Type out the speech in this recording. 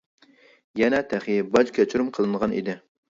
يەنە تېخى باج كەچۈرۈم قىلىنغان ئىدى.